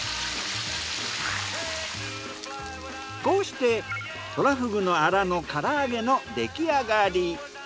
こうしてトラフグのアラの唐揚げの出来上がり。